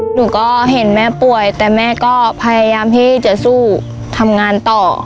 หนูก็เห็นแม่ป่วยแต่แม่ก็พยายามที่จะสู้ทำงานต่อ